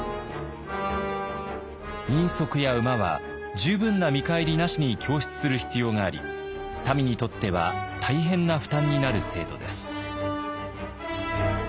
人足や馬は十分な見返りなしに供出する必要があり民にとっては大変な負担になる制度です。